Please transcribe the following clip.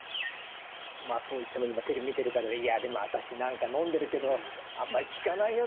まあそう言っても今テレビ見てる方で「いやでも私なんかのんでるけどあんまり効かないような気がするのよね」